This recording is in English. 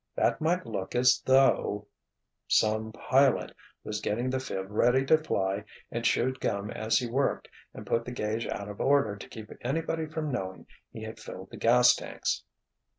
That might look as though——" "Some pilot was getting the 'phib' ready to fly and chewed gum as he worked and put the gauge out of order to keep anybody from knowing he had filled the gas tanks."